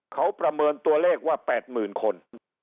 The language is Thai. เขาประเมินตัวเลขว่า๘๐๐๐คน